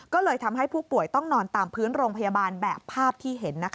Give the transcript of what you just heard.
ก็เลยทำให้ผู้ป่วยต้องนอนตามพื้นโรงพยาบาลแบบภาพที่เห็น